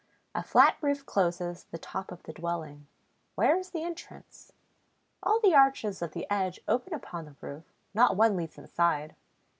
A flat roof closes the top of the dwelling. Where is the entrance? All the arches of the edge open upon the roof; not one leads inside.